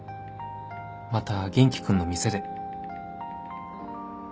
「また元気君の店で」